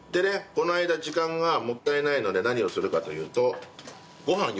この間時間がもったいないので何をするかというと。